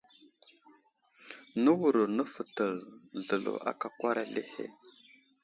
Nə wuro nəfətel zlelo aka akwar azlehe.